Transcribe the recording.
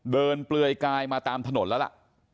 เปลือยกายมาตามถนนแล้วล่ะ